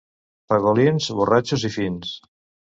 Pegolins, borratxos i fins.